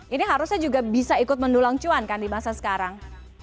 ini harusnya juga bisa ikut mendulang cuan kan di masa sekarang